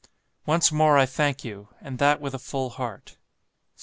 "Once more I thank you, and that with a full heart.